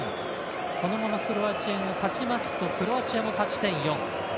このままクロアチアが勝ちますとクロアチアも勝ち点４。